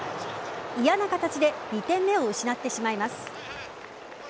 嫌な形で２点目を失ってしまいます。